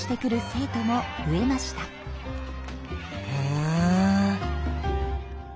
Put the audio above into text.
へえ。